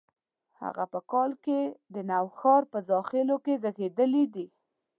هغه په کال کې د نوښار په زاخیلو کې زیږېدلي دي.